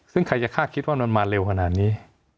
ซึ่งใครจะคาดคิดว่ามันมาเร็วขนาดนี้